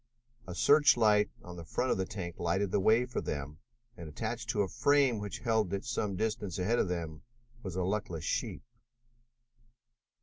A search light on the front of the tank lighted the way for them and, attached to a frame which held it some distance ahead of them, was a luckless sheep.